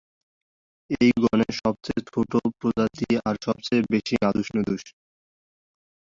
এ গণের সবচেয়ে ছোট প্রজাতি আর সবচেয়ে বেশি নাদুস-নুদুস।